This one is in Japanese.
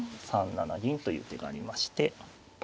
３七銀という手がありまして。